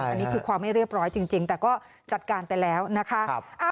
อันนี้คือความไม่เรียบร้อยจริงแต่ก็จัดการไปแล้วนะคะ